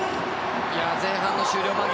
前半終了間際